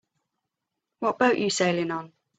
What boat you sailing on?